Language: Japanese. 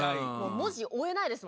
文字追えないです。